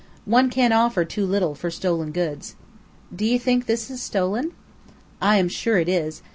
One can't offer too little for stolen goods." "Do you think this is stolen?" "I am sure it is.